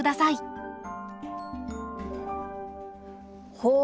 ほう。